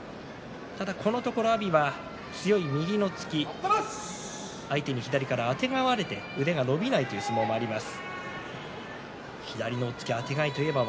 ただこのところ阿炎は強い右の突き相手に左からあてがわれて腕が伸びないという相撲もあります。